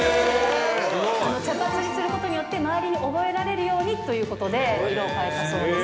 茶髪にすることによって、周りに覚えられるようにということで、色を変えたそうです。